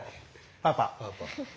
パパ！